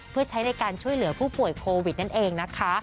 เพื่อใช้ในการช่วยเหลือผู้ป่วยโควิดนั่นเองนะคะ